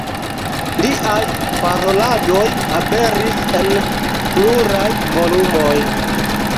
Liaj paroladoj aperis en pluraj volumoj.